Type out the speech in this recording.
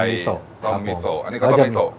ต้มมิโซอันนี้ก็ต้มมิโซ